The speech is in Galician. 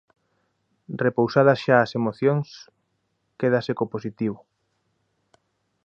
Repousadas xa as emocións, quédase co positivo.